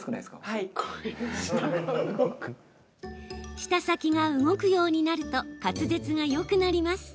舌先が動くようになると滑舌がよくなります。